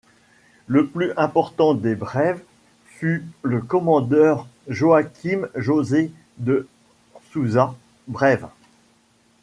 Le plus important des Breves fut le commandeur Joaquim José de Souza Breves.